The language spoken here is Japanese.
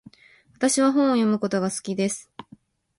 私は本を読むことが好きです。